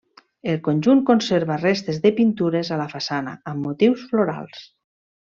El conjunt conserva restes de pintures a la façana, amb motius florals.